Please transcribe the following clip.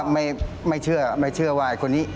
ไม่เชื่อไม่เชื่อว่าไอ้คนนี้